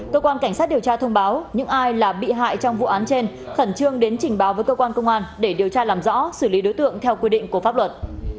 cơ quan cảnh sát điều tra thông báo những ai là bị hại trong vụ án trên khẩn trương đến trình báo với cơ quan công an để điều tra làm rõ xử lý đối tượng theo quy định của pháp luật